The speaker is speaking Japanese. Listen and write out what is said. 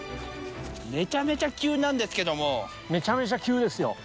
めちゃめちゃ急なんですけどめちゃめちゃ急ですよ。